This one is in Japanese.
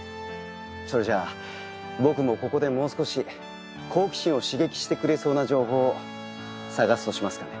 それじゃあ僕もここでもう少し好奇心を刺激してくれそうな情報を探すとしますかね。